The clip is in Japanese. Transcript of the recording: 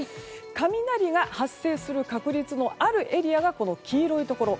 雷が発生する確率のあるエリアが黄色いところ。